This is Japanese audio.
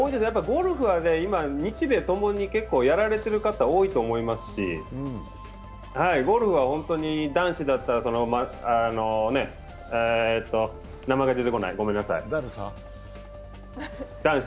ゴルフは今、日米ともにやられている方、多いと思いますしゴルフは本当に男子だったら、名前が出てこない、ごめんなさい。